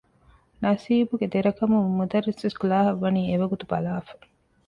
ނަސީބުގެ ދެރަ ކަމުން މުދައްރިސްވެސް ކްލާހަށް ވަނީ އެވަގުތު ބަލާފަ